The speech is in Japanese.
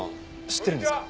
知ってるんですか？